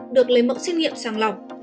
được lấy mẫu xét nghiệm sàng lọc